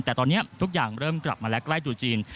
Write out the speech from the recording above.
แต่ตอนนี้ทุกอย่างเริ่มกลับมาแล้วใกล้ตัวจีน